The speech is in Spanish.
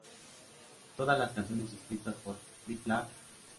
Todas las canciones escritas por Big Black.